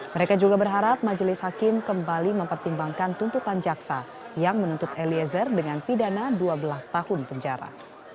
mereka juga berharap majelis hakim kembali mempertimbangkan tuntutan jaksa yang menuntut eliezer dengan pidana dua belas tahun penjara